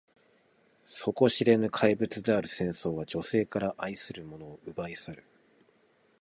底知れぬ怪物である戦争は、女性から愛する者を奪い去る。